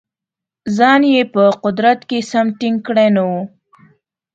ځان یې په قدرت کې سم ټینګ کړی نه وو.